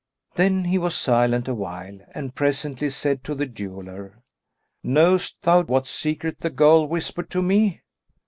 Then he was silent awhile, and presently said to the jeweller "Knowest thou what secret the girl whispered to me?"